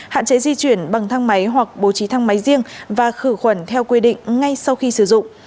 hạn chế di chuyển bằng thang máy hoặc bố trí thang máy riêng và khử khuẩn theo quy định ngay sau khi sử dụng